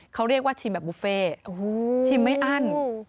เขาเรียกว่าชิมแบบบุฟเฟ่ชิมไม่อั้น